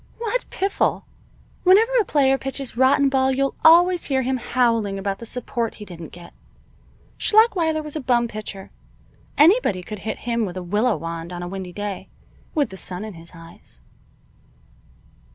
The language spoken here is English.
"What piffle! Whenever a player pitches rotten ball you'll always hear him howling about the support he didn't get. Schlachweiler was a bum pitcher. Anybody could hit him with a willow wand, on a windy day, with the sun in his eyes."